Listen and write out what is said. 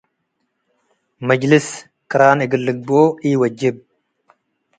ምጅልስ ቅራን እግል ልግበኦ ኢወጅብ።